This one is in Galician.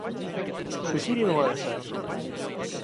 Suxíreme un agasallo